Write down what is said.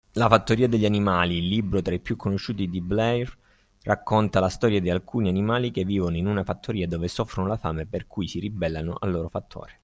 La fattoria degli animali, libro tra i più conosciuti di Blair, racconta la storia di alcuni animali che vivono in una fattoria dove soffrono la fame per cui si ribellano al loro fattore.